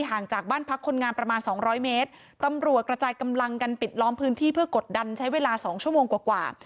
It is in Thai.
ห่างจากบ้านพักคนงานประมาณสองร้อยเมตรตำรวจกระจายกำลังกันปิดล้อมพื้นที่เพื่อกดดันใช้เวลาสองชั่วโมงกว่ากว่า